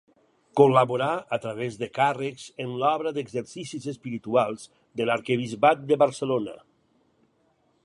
Col·laborà a través de càrrecs en l'Obra d'Exercicis Espirituals de l'Arquebisbat de Barcelona.